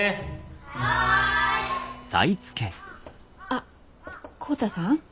あっ浩太さん？